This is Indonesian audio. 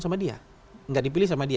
tidak dipilih sama dia